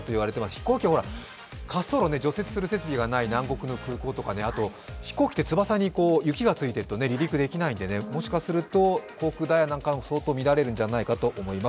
飛行機は滑走路、除雪する設備がない南国の飛行場とかあと飛行機って翼に雪がついてると離陸できないんでもしかすると航空ダイヤなんかも乱れるかもしれないです。